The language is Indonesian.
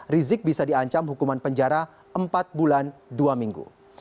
rizik bisa diancam hukuman penjara empat bulan dua minggu